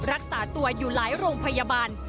รักษาตัวอยู่หลายโรงพยาบาล